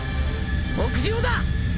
屋上だ！